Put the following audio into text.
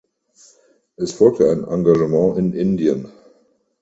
Es folgte ein Engagement in Indien.